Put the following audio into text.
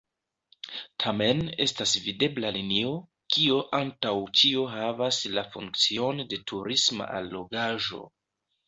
Tamen estas videbla linio, kio antaŭ ĉio havas la funkcion de turisma allogaĵo.